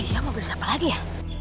iya mau beli siapa lagi ya